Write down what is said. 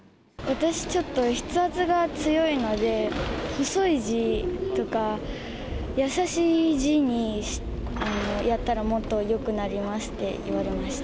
私、ちょっと筆圧が強いので細い字とか優しい字にやったらもっとよくなりますって言われました。